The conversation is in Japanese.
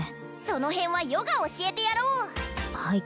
その辺は余が教えてやろうはい